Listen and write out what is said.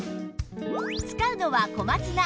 使うのは小松菜。